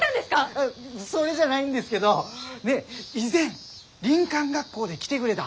あっそれじゃないんですけど以前林間学校で来てくれだ